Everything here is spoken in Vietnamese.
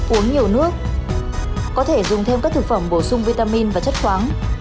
uống nhiều nước có thể dùng thêm các thực phẩm bổ sung vitamin và chất khoáng